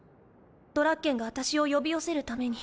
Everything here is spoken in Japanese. ドラッケンが私を呼び寄せるために。